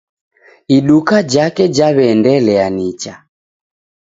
Iduka jake jaweendelea nicha